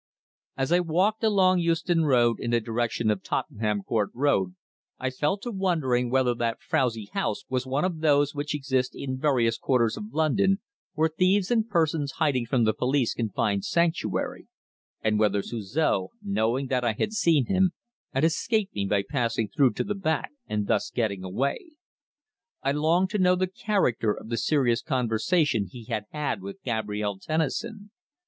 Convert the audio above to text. As I walked along Euston Road in the direction of Tottenham Court Road, I fell to wondering whether that frowsy house was one of those which exist in various quarters of London where thieves and persons hiding from the police can find sanctuary, and whether Suzor, knowing that I had seen him, had escaped me by passing through to the back and thus getting away! I longed to know the character of the serious conversation he had had with Gabrielle Tennison.